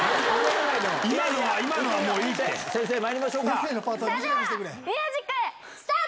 先生まいりましょうか。